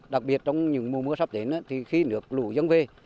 đặc biệt trong những mùa mưa sắp đến thì khi nước lũ dân về